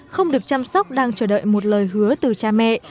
không được chăm sóc đang chờ đợi một lời hứa từ cha mẹ